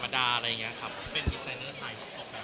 เป็นดีไซเนอร์ไทยกับออกแบบไหน